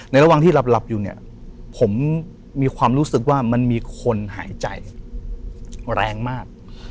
ระหว่างที่หลับอยู่เนี่ยผมมีความรู้สึกว่ามันมีคนหายใจแรงมาก